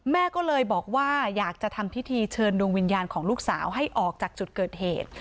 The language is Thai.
แม่ก็เลยบอกว่าอยากจะทำพิธีเชิญดวงวิญญาณของลูกสาวให้ออกจากจุดเกิดเหตุ